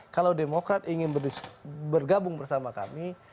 kalau demokrat ingin bergabung bersama kami